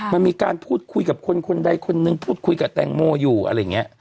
มันมีการพูดคุยกับคนคนใดคนนึงพูดคุยกับแตงโมอยู่อะไรอย่างนี้